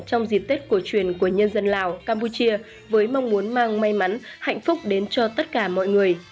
trong dịp tết cổ truyền của nhân dân lào campuchia với mong muốn mang may mắn hạnh phúc đến cho tất cả mọi người